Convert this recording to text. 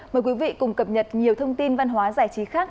mời quý vị cùng cập nhật nhiều thông tin văn hóa giải trí khác